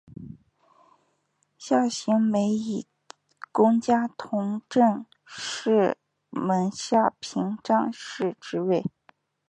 夏行美以功加同政事门下平章事之位。